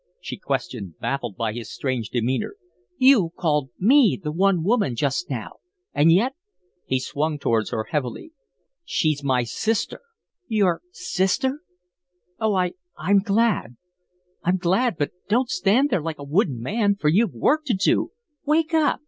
she questioned, baffled by his strange demeanor. "You called ME the one woman just now, and yet " He swung towards her heavily. "She's my sister." "Your sister? Oh, I I'm glad. I'm glad but don't stand there like a wooden man, for you've work to do. Wake up.